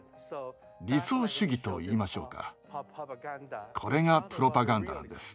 理想主義と言いましょうかこれがプロパガンダなんです。